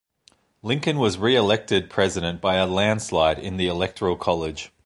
Lincoln was re-elected president by a landslide in the Electoral College.